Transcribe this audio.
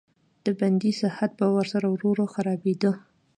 د بندي صحت به ورسره ورو ورو خرابېده.